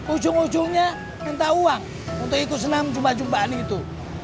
ujung ujungnya minta uang untuk ikut senam jumpaan itu